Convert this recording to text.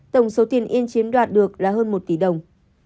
tổng số tiền in chiếm đoạt được là hơn một tỷ đồng